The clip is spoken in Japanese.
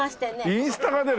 インスタが出る！？